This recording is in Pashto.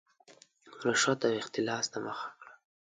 رشوت او اختلاس ته مخه کړه.